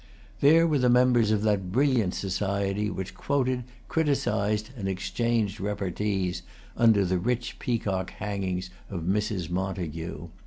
There were the members of that brilliant society which quoted, criticised, and exchanged repartees, under the rich peacock hangings of Mrs. Montague.